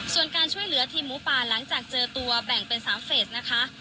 ส่วนการช่วยเหลือทีมหมูป่าหลังจากเจอตัวแบ่งเป็น๓เฟสนะคะ